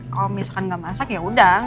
kalo misalkan gak masak yaudah